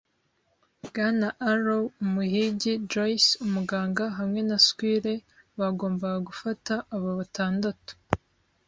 Bwana Arrow, Umuhigi, Joyce, umuganga, hamwe na squire bagombaga gufata aba batandatu